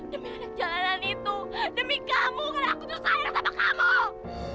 demi anak jalanan itu demi kamu karena aku tuh sayang sama kamu